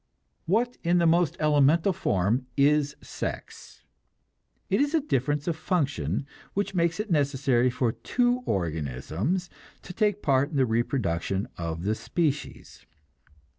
What, in the most elemental form, is sex? It is a difference of function which makes it necessary for two organisms to take part in the reproduction of the species.